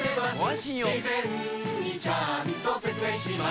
事前にちゃんと説明します